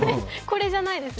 これじゃないです。